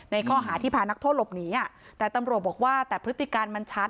ข้อหาที่พานักโทษหลบหนีแต่ตำรวจบอกว่าแต่พฤติการมันชัด